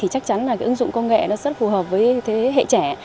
chắc chắn ứng dụng công nghệ rất phù hợp với hệ trẻ